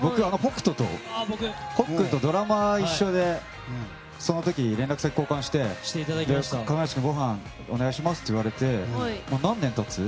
僕、ほっくんとドラマが一緒でその時、連絡先を交換して亀梨君、ごはんをお願いしますと言われて何年経つ？